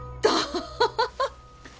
ハハハハ。